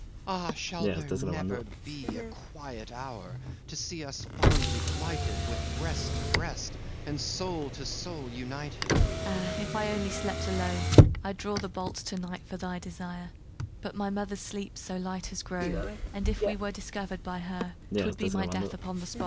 FAUST Ah, shall there never be A quiet hour, to see us fondly plighted, With breast to breast, and soul to soul united? MARGARET Ah, if I only slept alone! I'd draw the bolts to night, for thy desire; But mother's sleep so light has grown, And if we were discovered by her, 'Twould be my death upon the spot!